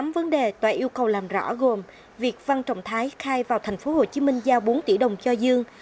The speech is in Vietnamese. tám vấn đề tòa yêu cầu làm rõ gồm việc văn trọng thái khai vào tp hcm giao bốn tỷ đồng cho dương